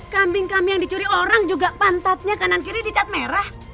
kambing kami yang dicuri orang juga pantatnya kanan kiri dicat merah